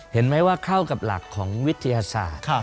เห็นไหมว่าเข้ากับหลักของวิทยาศาสตร์